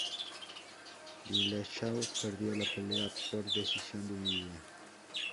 Dillashaw perdió la pelea por decisión dividida.